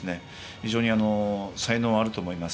非常に才能あると思います。